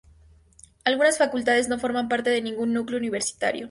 Algunas facultades no forman parte de ningún núcleo universitario.